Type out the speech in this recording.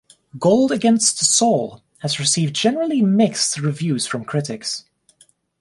"Gold Against the Soul" has received generally mixed reviews from critics.